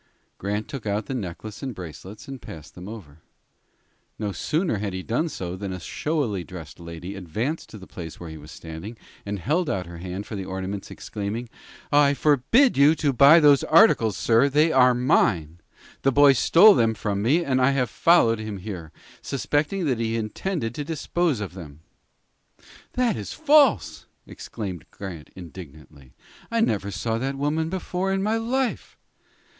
Grant took out the necklace and bracelets, and passed them over. No sooner had he done so than a showily dressed lady advanced to the place where he was standing, and held out her hand for the ornaments, exclaiming: "I forbid you to buy those articles, sir. They are mine. The boy stole them from me, and I have followed him here, suspecting that he intended to dispose of them." "That is false," exclaimed Grant, indignantly. "I never saw that woman before in my life."